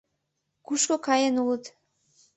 Кушко каен улыт?